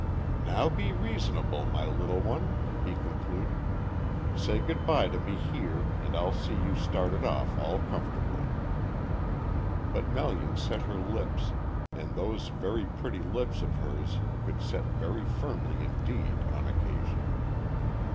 "Now be reasonable, my little one," he concluded. "Say good bye to me here, and I'll see you started off all comfortably." But Melian set her lips, and those very pretty lips of hers could set very firmly indeed on occasion.